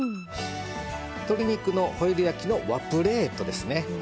鶏肉のホイル焼きの和プレートですね。